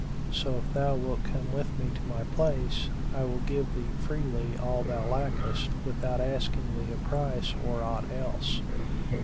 So if thou wilt come with me to my place, I will give thee freely all thou lackest without asking thee a price or aught else.